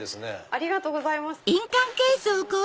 ありがとうございます。